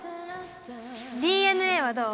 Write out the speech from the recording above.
ＤＮＡはどう？